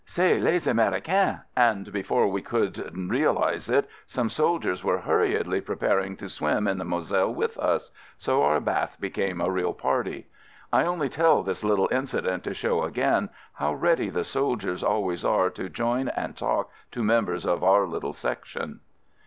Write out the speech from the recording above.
"C'est les Americains" — and before we could realize it, some soldiers were hurriedly preparing to swim in the Moselle with us, so our bath became a real party. I only tell this little incident 116 AMERICAN AMBULANCE to show again how ready the soldiers al ways are to join and talk to members of our little Section.